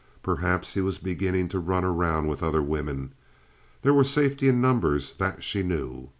Perhaps he was beginning to run around with other women. There was safety in numbers—that she knew.